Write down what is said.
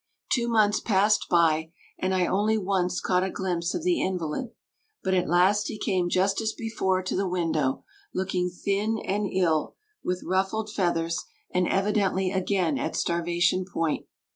Two months passed by, and I only once caught a glimpse of the invalid, but at last he came just as before to the window, looking thin and ill, with ruffled feathers, and evidently again at starvation point.